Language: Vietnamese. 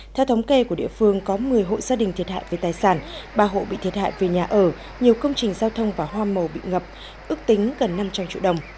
theo thống kê của địa phương có một mươi hộ gia đình thiệt hại về tài sản ba hộ bị thiệt hại về nhà ở nhiều công trình giao thông và hoa màu bị ngập ước tính gần năm trăm linh triệu đồng